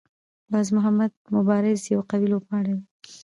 باز محمد مبارز یو قوي لوبغاړی دی.